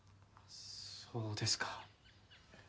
そうですか。